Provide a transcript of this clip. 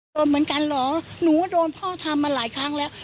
โดนเหมือนกันเหรอหนูก็โดนพ่อทำมาหลายครั้งแล้ว